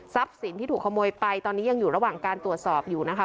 สินที่ถูกขโมยไปตอนนี้ยังอยู่ระหว่างการตรวจสอบอยู่นะคะ